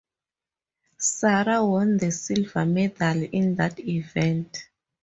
Sarah won the silver medal in that event.